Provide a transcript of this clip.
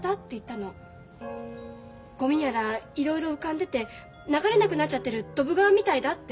ゴミやらいろいろ浮かんでて流れなくなっちゃってるドブ川みたいだって。